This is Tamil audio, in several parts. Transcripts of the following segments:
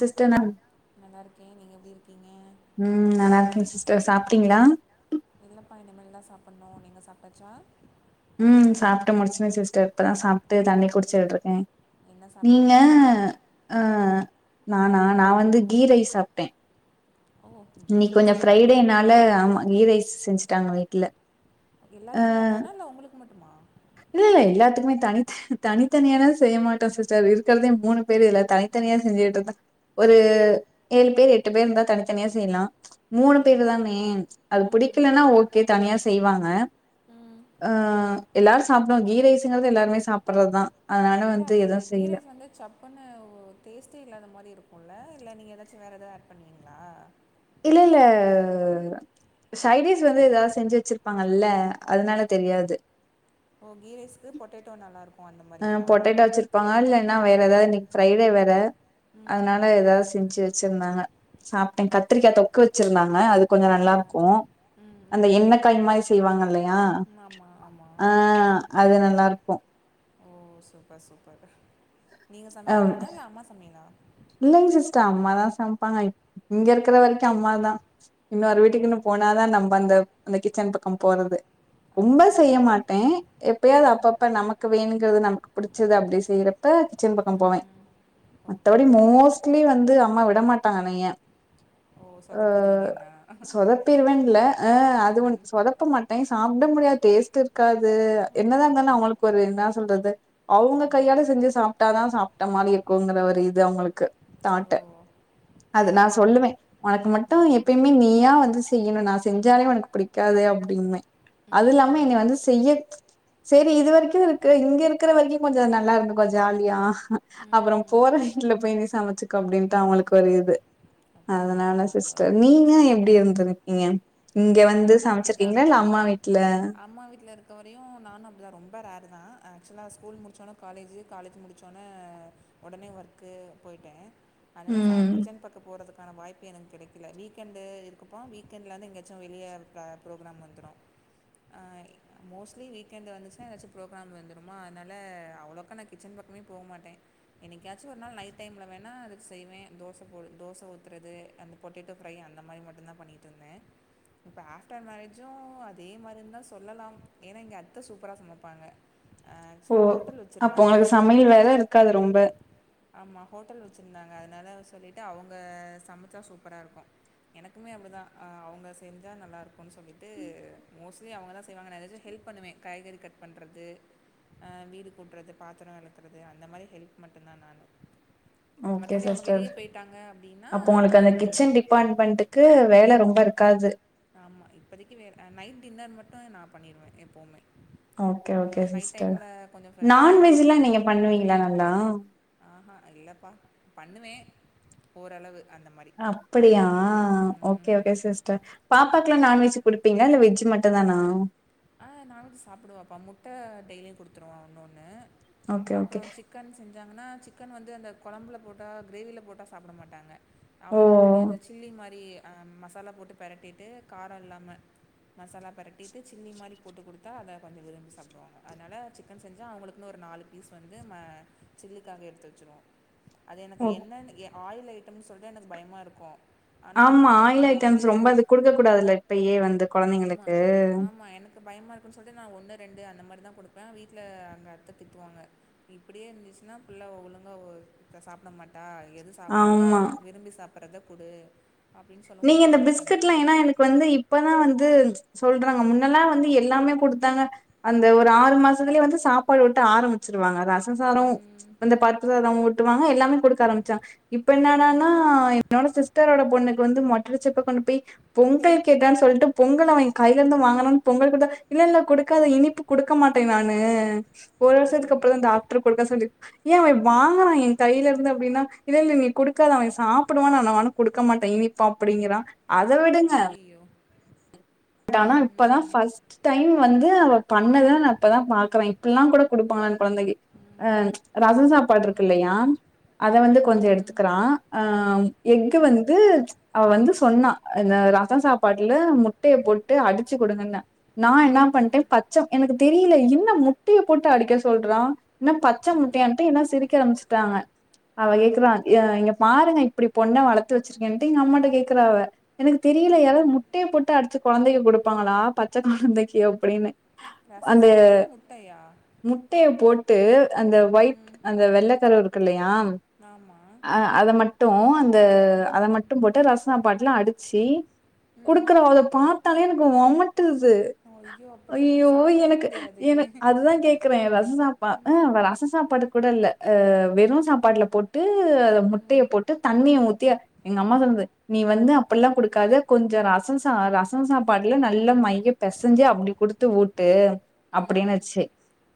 சிஸ்டர் நம் நல்லாருக்கேன் நீங்க எப்டி இருக்கீங்க ம் நல்லா இருக்கே சிஸ்டர் சாப்ட்டீங்ளா இல்லப்பா இனிமே தா சாப்பனும் நீங்க சாப்டாச்சா ம் சாப்ட்டு முடிச்சுட்ட சிஸ்டர் இப்பதா சாப்ட்டு தண்ணி குடிச்சிட்டு இருக்கேன் என்ன நீங்க சாப்பிட்டீங்க அ நானா நா வந்து கீ ரைஸ் சாப்ட்டேன் ஓ கீ இன்னிக்கு கொஞ்ச ரைஸா ஓகே ஃப்ரைடேனால ஆமா கீ ரைஸ் செஞ்சுட்டாங்க வீட்ல ஆ எல்லாருக்குமே அதானா இல்ல உங்களுக்கு மட்டுமா இல்ல இல்ல எல்லாத்துக்குமே தனித்த தனித்தனியாளா செய்ய மாட்டோ சிஸ்டர் இருக்றதே மூணு பேரு இதுல தனித்தனியா செஞ்சுட்டுருந்தா ஒரு ஏழு பேர் எட்டு பேர்ந்தா தனித்தனியா செய்யலாம் மூணு ஓகே பேரு தானே அது ம் ம் புடிக்கலன்னா ஓகே தனியா செய்வாங்க ம் ஆ எல்லாரும் சாப்டுவும் கீ ரைசுங்கிறது எல்லாருமே சாப்றதுதா இல்ல அது கீ ரைஸ் வந்து சப் ப்புனு ஒரு டேஸ்ட்டே இல்லாத மாரி இருக்கும்ல இல்ல நீங்க ஏதாச்சும் வேறு ஏதா ஆட் பண்ணுவீங்களா இல்ல இல்ல அ சைடிஸ் வந்து ஏதாது செஞ்சு வச்சிருப்பாங்கல்ல அதனால தெரியாது ஓ கீ ரைஸ்கு பொட்டடோ நல்லாயிரு அ பொட்டடோ வச்சிருப்பாங்க இல்லன்னா வேறதா இன்னைக்கு ஃப்ரைடே வேற ம் அதனால ஏதாது செஞ்சு வச்சிந்தாங்க சாப்ட்டேன் கத்திரிக்கா தொக் கு வச்சிருந்தாங்க அது கொஞ்ச ஓ நல்லா இருக்கும் ம் அந்த ம் எண்ணெக்காய் மாரி செய்வாங்க இல்லயா ஆமாம் ஆ ஆமாம் அது நல்லா இருக்கும் ஓ சூப்பர் சூப்பர் நீங்க சமையல் தானா இல்ல அம்மா சமையலா இல்லங்க சிஸ்டர் அம்மாதா சமைப்பாங்க இங்கருக்குற வரைக்கும் அம்மா தா ஓ இன்னோரு வீட்டுக்குன்னு போனாதா நம்ப அந்த அந்த கிச்சன் பக்கம் போறது ரொம்ப அப்படியா செய்ய மாட்டே எப்பயாவது ம் அப்பப்ப நமக் கு வேணுங்றது நமக்கு பிடிச்சது அப்டி செய்யறப்ப கிச்சன் பக்கம் போவே ம் ஓகே மத்தபடி ஓகே மோஸ்ட்லி வந்து அம்மா விட மாட்டாங்க என்னய ஓ அ சொதப்பிடுவீங்கன்னா சொதப் பிரிவேனு இல்ல அ அது ம் ஒன்னு சொதப்ப மாட்டே சாப்ட முடியாது டேஸ்ட் இருக்காது ஓ என்னதா இருந்தாலு அவுங்களுக்கு ஒரு என்னா சொல்றது அவுங்க ம் கையால செஞ்சு சாப்ட்டாதா சாப்ட்ட மாரி இருக்குங்கிற ஒரு இது து அவங்களுக்கு ஓ தாட்டு அது நா அப்படியா சொல்லுவே ஒனக்கு மட்டு ம் எப்பயுமே நீயா வந்து செய்யணு நான் செஞ்சாலே ஒனக்கு புடிக்காது அப்டின்பே அது ம் இல்லாம என்ன ம் வந்து செய்ய சேரி இது வரைக்கு இருக்கு இங்க இருக்குற வரைக்கு கொஞ்ச நல்லா இருந்துக்க கொஞ்ச ஜாலியா அப்றோ ம் போற வீட்டுல போய் நீ சமச்சுக்க அப்டின்ட்டு அவங்களுக்கு ஒரு இது அப்படியா அதனால சிஸ்டர் ஓகே நீங்க ஓகே எப்டி இருந்திருக்கீங்க இங்க ஆ வந்து நானும் அப்படி சமச்சிருக்கீங்ளா தான் இல்ல அம்மா வீட்ல அம்மா வீட்ல இருக் கவரையு நானு அப்டிதா ரொம்ப ரேர் தா ஆக்சுவலாக ஸ்கூல் முடிச்சோனே காலேஜூ காலேஜ் முடிச்சோன்னே ஒடனே ஒர்க்கு போயிட்டே அதனால ம் கிச்சன் பக்கம் போறதுக்கான வாய்ப்பு எனக்கு கெடைக்கல வீக்கெண்டு இதுக்கப்றோ வீக்கெண்ட்லந்து எங்க கொஞ்ச வெளியே இருக்க ப்ரோக்ராம் வந்துரும் அ மோஸ்ட்லி வீக்கெண்ட் வந்துச்சுனா எதாச்சும் ப்ரோக்ராம் வந்துருமா அதனால அவ்வளோக்கா நா கிச்சன் பக்கமே போக மாட்டே என்னைக்காச்சும் ஒரு நாள் நைட் டைம்ல வேணா அதுக்கு செய்வேன் தோச போ தோச ஊத்துறது அந்த பொட்டேட்டோ ஃப்ரை அந்த மாரி மட்டு தான் பண்ணிட்ருந்தே இப்போ ஆஃப்டர் மேரேஜும் அதே மாதிரி தா சொல்லலா ஏன்னா இங்க அத்த சூப்பரா சமப்பாங்க ஆ ஓ ஆக்சுவலா ஹோட்டல் அப்ப வச்சிருந்தாங்க உங்களுக்கு சமையல் வேல இருக்காது ரொம்ப ஆமா ஹோட்டல் வச்சுருந்தாங்க அதனால சொல்லிட்டு அவங்க சமச்சா சூப்பரா இருக்கு எனக்குமே அப்டிதா அவங்க செஞ்சா நல்லாருக்குன் சொல்லிட்டு மோஸ்ட்லி அவங்க தான் செய்வாங்க நான் எதாச்சு ஹெல்ப் பண்ணுவே காய்கறி கட் பண்றது ஆ வீடு கூட்றது பாத்திரம் வெளக்குறது அந்த மாரி ஹெல்ப் மட்டுந்தா நானு ஓகே மத்தபடி அவங்க சிஸ்டர் வெளிய போயிட்டாங்க அப்டின்னா நான் செஞ்சே பான் பண்ட்டுக்கு வேல ரொம்ப இருக்காது ஆமா இப்போதைக்கு வேற நைட் டின்னர் மட்டு நா பண்ணிருவே எப்பவுமே ஓகே ஓகே அவங்க நைட் சிஸ்டர் டைம்ல கொஞ்சோ ரெஸ்ட் நான்வெஜ்லா எடுக்கட்டுனு நீங்க சொல்லிட்டு பண்ணுவீங்களா நல்லா ஆஹ இல்லப்பா பண்ணுவே ஓரளவு அந்த மாரி அப்டியா ஓகே ஓகே சிஸ்டர் பாப்பாக்குலா நான்வெஜ் குடுப்பீங்ளா இல்ல வெஜ் மட்டுந் தானா ஆ நான்வெஜ் சாப்டுவப்பா முட்ட டெய்லியு குடுத்துருவே ஒன்னொன்னு ஓகே ஓகே அப்புறோ சிக் கன் செஞ்சாங்கன்னா சிக்கன் வந்து அந்த கொழம்புல போட்டா கிரேவில போட்டா சாப்ட மாட்டாங்க ஓ அவளுகுன் தனியா அந்த சில்லி மாரி ஆ மசாலா போட்டு பெரட்டிட்டு கார இல்லாம மசாலா பெரட்டிட்டு சில்லி மாரி போட்டு குடுத்தா அத கொஞ்ச விரும்பி சாப்டுவாங்க அதனால சிக்கன் செஞ்சா அவங்களுக்குன்னு ஒரு நாலு பீஸ் வந்து ம சில்லிக்காக எடுத்து வச்சுருவோ அது எனக்கு ஓ எண்ணெனு ஆயில் ஐட்டம் சொல்ட்டு எனக்கு பயமா இருக்கு ஆமா ஆயில் ஐட்டம்ஸ் ரொம்ப அது குடுக்க கூடாதுல இப்பயே வந்து ஆமா. கொழந்தைங்களுக்கு ஆமா எனக்கு பயமா இருக்குன்னு சொல்லிட்டு நான் ஒன்னு ரெண்டு அந்த மாரிதா குடுப்பே வீட்ல அங்க அத்த திட்டுவாங்க இப்டியே இருந்துச்சுன்னா புள்ள ஒழுங்க ஒரு சாப்ட மாட்டா எது சாப்பட்றாலோ ஆமா. விரும்பி சாப்பிட்றத குடு அப்டின் சொல்லவு நானு ஒன்னு கண்டுக்கறதில்ல இப்ப வந்து இப்பதா வந்து சொல்றாங்க முன்னெல்லா வந்து எல்லாமே குடுத்தாங்க அந்த ஒரு ஆறு மாசத்துலே வந்து சாப்பாடு ஊட்ட ஆரம்பிச்சிருவாங்க ரச ரச சாரோ ம், அந்த பருப்பு சாதோ ஊட்டுவாங்க எல்லாமே குடுக்க ஆரம்பிச்சாங்க இப்ப என்னாடான்னா ம், என்னோட சிஸ்டரோட பொண்ணுக்கு வந்து மொட்டடிச்சப்ப கொண்டு போய் பொங்கல் கேட்டான் சொல்ட்டு பொங்கல அவெ கையில இருந்து வாங்கனும்னு பொங்கல் குடுத்தா இல்ல இல்ல குடுக்காத இனிப்பு குடுக்க மாட்டே நானு ஒரு வருஷத்துக்கு அப்புற தா ம். டாக்டர் குடுக்க சொல்லி ஏ அவெ வாங்குனா எ கையில இருந்து அப்டின்னா இல்ல இல்ல நீ குடுக்காத அவெ சாப்பிடுவான்னு நானு குடுக்க மாட்டே இனிப் இப்ப அப்டிங்கறா அத விடுங்க ஐயோ ட்டானா ப்பதா ஃபஸ் ஸ்ட்டைம் வந்து அவ பண்ணத நா இப்பதா பாக்குறே இப்டிலா கூட குடுப்பாங்களா கொழந்தைக்கி ம், அ ரசோ சாப்பாடு இருக்கு ம், இல்லையா அத வந்து கொஞ்சோ ம், எடுத்துக்குறா அ ம், எஃகு ம், வந்து அவ வந்து சொன்னா இந்த ரச சாப்பாட்டுல முட்டைய போட்டு அடிச்சு குடுங்கன்னு நா என்னா பண்ட்டே ம், பச்ச எனக்கு தெரியல என்ன முட்டைய போட்டு அடிக்க சொல்றா என்ன பச்ச ம், முட்டையான்ட்டு எல்லா சிரிக்க ஆரம்பிச்சுட்டாங்க அவ கேக்குறா‌ எ இங்க பாருங்க இப்டி பொண்ண வளத்து வச்சிருக்கேன்ட்டு எங்க அம்மாட்ட கேக்குறா அவ எனக்கு தெரியல ம், யாராவது ம். முட்டைய போட்டு அடிச்சு கொழந்தைக்கு கொடுப்பாங்களா பச்ச கொழந்தைக்கு அப்டின்னு அந்த ரசசாதத்துல முட்டையா முட்டைய போட்டு அந்த ஒயிட் ம். அந்த வெள்ளக்கரு இருக்கு இல்லையா ஆமா அ அத மட்டு அந்த அத ம், மட்டு போட்டு ரச சாபாட்டுல அடிச்சி ம். குடுக்குறோ அத பாத்தாலே எனக்கு ஒமட்டுது ஐயோ! அப்படி எப்படி ஐயோ சாப்பிடவே எனக்கு முடியாதே! என அதுதா கேக் குறே ரச சாப்பா அ ம், ரச சாப்பாடு கூட இல்ல அ வெறு சாப்பாடுல போட்டு அத முட் முட்டைய ம், போட்டு தண்ணிய ஊத்தி எங்க அம்மா சொன்னது நீ வந்து அப்புட்லா குடுக்காத கொஞ்ச ரசம் சா ரசம் சாப்பாடுல நல்ல மைய பெசஞ்சி அப்டி குடுத்து ஊட்டு ம், அப்டின்னுச்சு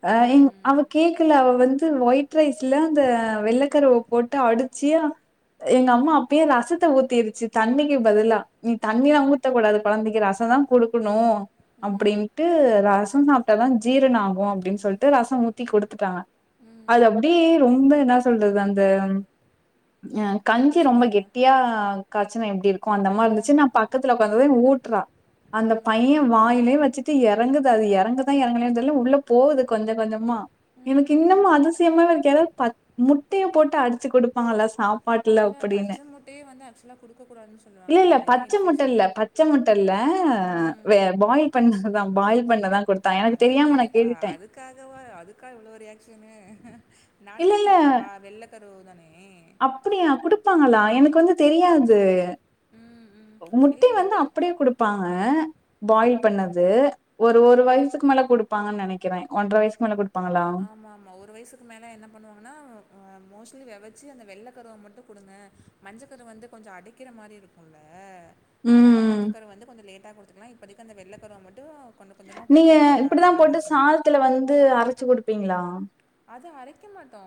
அ ம், எங் அவ ம், கேக்கல அவ வந்து ஒயிட் ரைஸ்ல அந்த வெள்ளக்கருவு போட்டு அடிச்சி எங்க அம்மா அப்பயே ரசத்த ஊத்திடுச்சு தண்ணிக்கு பதுலா நீ தண்ணிலா ம், ஊத்தக்கூடாது கொழந்தைக்கி ரச தா குடுக்கணு ம், அப்டின்ட்டு ரசம் சாப்ட்டாதா ஜீரனோ ஆகு அப்டின் சொல்ட்டு ரசம் ஊத்தி குடுத்துட்டாங்க அது ம். அப்டி ரொம்ப என்னா சொல்றது அந்த அ முட்டை கஞ்சி ரொம்ப ஸ்மெல்லு. கெட்டியா காச்சுனா எப்டி இருக்கு அந்த மாரி இருந்து ம், நா பக்கத்துல ஒக்காந்தது ஊட்டுறா அந்த ம், பைய வாயிலே வச்சுட்டு எறங்குது அது எறங்குதா எறங்கலயானு தெர்ல உள்ள போகுது கொஞ்ச கொஞ்சமா ம், எனக்கு ம். இன்னமு அதிசயமாவே இருக்கு யாராவது ப முட்டைய போட்டு அடிச்சு குடுப்பாங்கல்லா சாப் இல்ல பச்ச முட்டையே வந்து ஆக்சுவலா குடுக்க கூடாதுன்னு இல்ல சொல்லுவாங்க இல்ல அதுல நெறைய பச்ச முட்ட இன்ஃபெக்க்ஷனு இல்ல பச்ச முட்டல்ல வெ பாயில் பண்ணது தா பாயில் பண்ணதா குடுத் அது தானேப்பா அது க்காகவா அதுக்கா இவ்ளோ ரியாக்க்ஷனு இல்ல நானுமே இல்ல குடுப்பே வா வெள்ள ட்டகரு தானே அப்டியா குடுப்பாங்களா எனக்கு வந்து தெரியாது ம், ம். இல்ல, முட்டை இல்ல. வந்து அப்டியே குடுப்பாங்க பாயில் பண்ணது ஒரு ஒரு வா வயசுக்கு மேல குடு ப்பாங்க நெனைக்கிறே ஒன்ற வயசு மேல குடு ஆமா ஆமா ஒரு வயசு க்கு மேல என்ன பண்ணுவாங்கன்னா மோஸ்ட்லி வெவச்சு அந்த வெள்ள கருவ மட்டும குடுங்க மஞ்ச கரு வந்து கொஞ்சொ அடைக்கிற மாரி இருக்குல்ல அதனால ம் மஞ்ச கருவ வந்து கொஞ்ச லேட்டா குடுத்துக்கலா இப்பதிக்கு அந்த வெள்ள கருவ மட்டு கொஞ்ச கொஞ்சமா புட்டு குடுங்க அப்டின்ற மாரி சொன்னாங் த்துல வந்து அரச்சு குடுப்பீங்களா அது அரைக்க மாட்டோ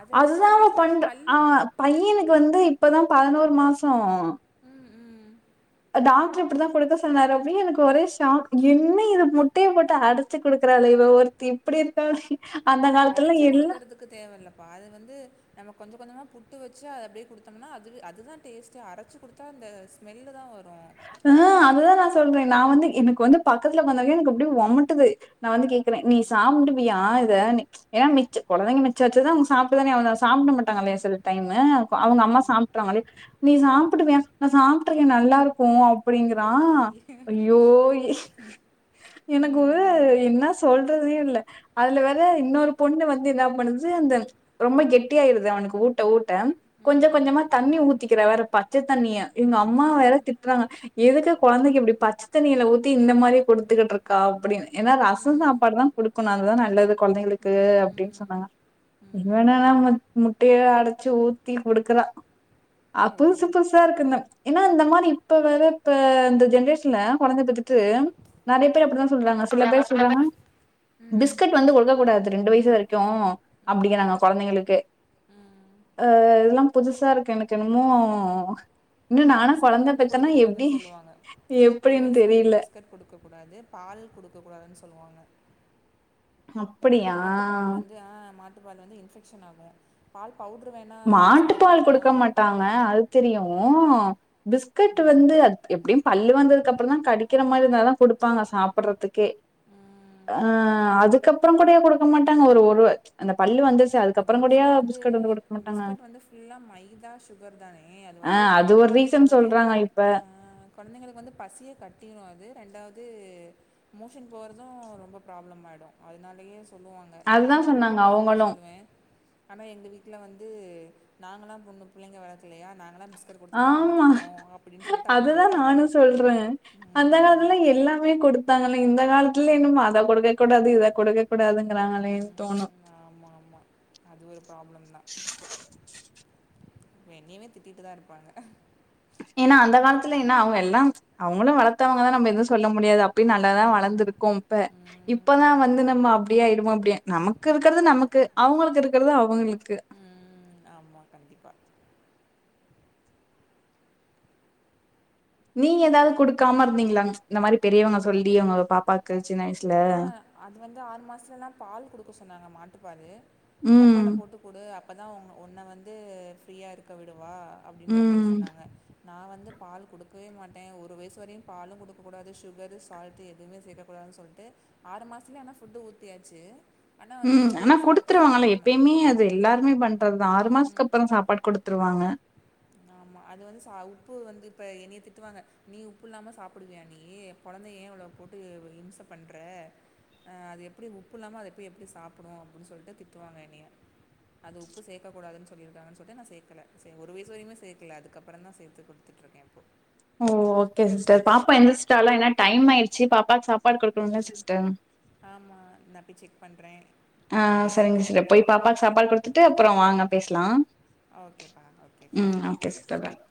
அது ஆக்சுவலா அதுதா ஒரு அவ வயசுலலா பண்ற பல்லு ஆ வந் பையனுக்கு வந்து இப்பதா பதினோரு மாசோ ம் ம் டாக்டர் இப்டிதா கொடுக்க சொன்னார் அப்டே எனக்கு ஒரே ஷாக் என்ன இது முட்டைய போட்டு அடிச்சு கொடுக்குறாளே இவ ஒரு த்தி இப்டி எத்தா இல்ல அரச்சு குடுக்குறது க்கு தேவயில்லப்பா அது வந்து‌ நம்ம கொஞ்ச கொஞ்சமா புட்டு வெச்சு அப்டியே கொடுத்தோம்னா அதுவே அதுதா டேஸ்ட்டு அரச்சி குடுத்தா அந்த ஸ்மெல்லு தா வரு ஆ அததா நா சொல்றே நா வந்து எனக்கு வந்து பக்கத்துல உக்காந்தாவே எனக்கு அப்டே ஒமட்டுது நா வந்து கேக்குறே நீ சாப்டுவியா இத நீ ஏன்னா மிச் கொழந்தைங்க மிச்ச வெச்சத அவங்க சாப்ட்டுதானே அவங்க சாப்புட மாட்டாங்கலே சில டைம்மு‌ கு அவங்கம்மா சாப்ட்ருவாங்களே நீ சாப்டுவியா நா சாப்டுருக்கே நல்லா இருக்கு அப்டிங்குறா ஐயே ஐயோ எனக்கு ம் என்ன சொல்றதையு இல்ல அதுல வேற இன்னொரு பொண்ணு வந்து என்ன பண்ணுது அந்த ரொம்ப கெட்டியாயிருது அவனுக்கு ஊட்ட ஊட்ட ம் கொஞ்ச ம் கொஞ்சமா தண்ணி ஊத்திக்கிறா வேற பச்ச தண்ணிய இவங்க அம்மா வேற ம், திட்டுறாங்க எதுக்கு கொழந்தைக்கு இப்டி பச்ச தண்ணில ஊத்தி இந்த மாரி குடுத்துக்கிட்டு இருக்கா அப்டின் ஏன்னா ரசம் ம், சாப்பாடு தா குடுக்கணு அதுதா நல்லது கொழந்தைங்களுக்கு ம், அப்டின்னு ம், ம். சொன்னாங்க இவ என்னன்னா மு முட்டைய அடிச்சு ஊத்தி குடுக்குறா அஹ ஓ புதுசு புதுசா இருக்குங்க ஏன்னா இந்த மாரி இப்ப வேற இப்ப இந்த ஜென்ரேஷன்ல கொழந்த பெத்திட்டு நெறைய பேர் அப்டித்தா சொல்றாங்க சில பேர் சொல்றாங்க ம், ம். பிஸ்கட் வந்து கொடுக்க கூடாது ரெண்டு வயசு வரைக்கு அப்டிங்கிறாங்க கொழந்தைங்களுக்கு அ இதெல்லா புதுசா இருக்கு எனக்கு என்னமோ இன்னு ஆமாம் நானா பிஸ்கட் கொழந்த வந்து பெத்தனா எப்டி கொடுக்ககூடாதுனு சொல்லுவாங்க ஒரு எப்டின்னு வயசு வரையு தெரில பிஸ் கெட் கொடுக்கக்கூடாது பால் கொடுக்ககூடாதுன்னு சொல்லுவாங்க ஹ மாட்டு பால் வந்து ஆ மாட்டுப்பால் வந்து இன்ஃபெக்சன் ஆகு பால் பவுட்ரு வேணா மிக்ஸ் பண்ணி குடுத்துக்குலா ட்டாங்க அது தெரியு பிஸ்கட் வந்து ம் அ எப்டியு பல்லு வந்ததுக்கு அப்பற தா கடிக்கிற மாரி இருந்தாதா குடுப்பாங்க சாப்புறதுக்கே அ ம் அதுக்கப்பறோ கூடயா கொடுக்க மாட்டாங்க ஒரு ஒரு அந்த பல்லு வந்து அதுக்கு அது அப்பற கூடய ஆக்சுவலாக வந்து பிஸ்கட் குடுக் பிஸ்கட் வந்து ஃபுல்லா மைதா சுகர் தானே அது ஆ வந்து அது ஒரு க ரீசன் சொல்றாங்க கொழந்தைங்களுக்கு இப்ப ஆ கொழந்தைங்களுக்கு வந்து பசிய கட்டிரு அது ரெண்டாவது மோஷன் போறது ரொம்ப ப்ராப்ளமாயிடு அதனாலேயே சொல்லுவாங் அதுதா நாலா சொன்னாங்க குடுக்கக்கூடாதுன் தா அவங்களு சொல்லுவே ஆனா எங்க வீட்ல வந்து நாங்கலா பொண்ணு புள்ளைங்க வளக்கலயா நாங்கலா பிஸ்கட்டு குடுத்துதா ஆமா வளத்தோ அப்டின்னு சொல்லிட்டு அது ஒரு அதுதா கத நானு சொல்றே அந்த காலத்துல எல்லாமே குடுத்தாங்கில்லிங் இந்த காலத்துல என்னமோ அத கொடுக்க கூடாது இத கொடுக்க கூடாதுங்கிறாங்களேன் தோணு ஆமா ஆமா அது ஒரு ப்ராப்ளம் தா என்னய்மே திட்டிட்டு தா இருப்பாங்க ஏனா அந்த காலத்துல என்ன அவுங்க எல்லாம் அவுங்களு வளத்தவங்கதா நம்ம எது சொல்ல முடியாது அப் பியு நல்லாதா ம். வளந்திருக்கோம் இப்ப ம். இப்பதா வந்து நம்ம அப் டியாய்ருமோ இப்டி நமக்கு இருக்கிறது நமக்கு அவுங்களுக்கு இருக்கறது அவுங்களுக்கு ம். ஆமா கண்டிப்பா நீங்க எதாவ்து குடுக்காம இருந்தீங்ளா இந்த மாரி பெரியவங்க சொல்லி உங்க பாப்பாக்கு சின்ன வயசு ஆ அது வந்து ஆறு மாசத்துல எல்லா பால் குடுக்க சொன்னாங்க மாட்டுப்பாலு ம் டப்பால போட்டுக்குடு அப்பதா உங் உன்ன வந்து ஃப்ரீயா இருக்க விடுவா அப்டின்ற மாரி ம் சொன்னாங்க நா வந்து பால் குடுக்கவே மாட்டே ஒரு வயசு வரையு பாலு குடுக்கக்கூடாது சுகர்ரு சால்ட்டு எதுமே சேக்க கூடாதுன் சொல் ட்டு ஆறு மாசத்துலய ஆனா ஃபுட்டு ஊத்தியாச்சு ஆனா வந்து ம் ஆனா சுகரு, சால்ட்டு குடுத்துருவாங்கல்ல சேர்க்காம. எப்பய்மே அது எல்லாருமே பண்றத் தா ஆறு ம். மாசத்துக்கப்றோ சாப்பாடு குடுத்துருவாங்க ஆமா அது வந்து ச உப்பு வந்து இப்ப என்னைய திட்டுவாங்க நீ உப்பு இல்லாம சாப்பிடுவிய நீயி கொழந்தைய ஏ இவ்ளோ போட்டு இம்ச பண்ற ஆ அது எப்டி உப்பு இல்லாம அத போய் எப்டி சாப்புடு அப்டி சொல்ட்டு திட்டுவாங்க என்னிய அது உப்பு சேக்கக் கூடாதுன் சொல்லிருக்காங்கன் சொல்ட்டு நா சேக்கல சேர் ஒரு வய சு வரைமே சேக்கல அதுக்கப்பறந்தா சேத்து குடுத்துட்ருக்கே இப்போ ஓ ஓகே சிஸ்டர் பாப்பா எந்திரிச்சிடாலா ஏனா டைம் ஆயிருச்சு பாப்பாக் சாப்பாடு குடுக்கணுங்க ம். சிஸ்டர் ஆமா நா பேய் செக் பண்றே ஆ சரிங்க சிடர் போய் பாப்பாக் சாப்பாடு குடுத்துட்டு அப்பறோ வாங்க பேசலா ஓகேப்பா ஓகே பாய் டகா